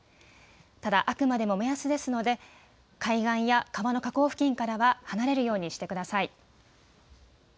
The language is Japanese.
ただあくまでも目安ですので海岸や川の河口付近からは離れるようにしてください。